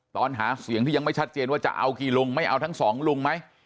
ตอนหาเสียงที่ยังไม่ชัดเจนว่าจะเอากี่ลุงไม่เอาทั้งสองลุงไหม